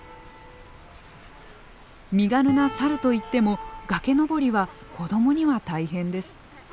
身軽なサルといっても崖登りは子どもには大変です。